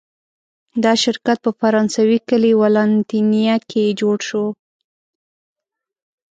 دا شرکت په فرانسوي کلي ولانتینیه کې جوړ شو.